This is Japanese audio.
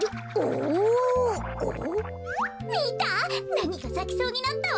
なにかさきそうになったわ。